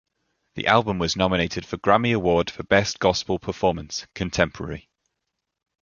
The album was nominated for Grammy Award for Best Gospel Performance, Contemporary.